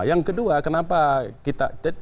yang kedua kenapa kita